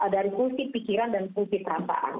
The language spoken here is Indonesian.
dari fungsi pikiran dan fungsi perasaan